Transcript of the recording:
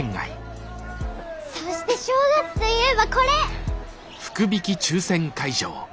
そして正月といえばこれ！